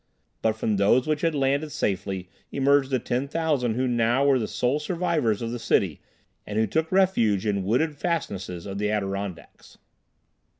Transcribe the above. But from those which had landed safely, emerged the 10,000 who now were the sole survivors of the city, and who took refuge in wooded fastnesses of the Adirondacks.